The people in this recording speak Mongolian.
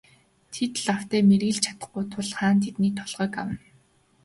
Тэд лавтай мэргэлж чадахгүй тул хаан тэдний толгойг авна.